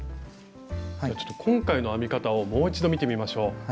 ちょっと今回の編み方をもう一度見てみましょう。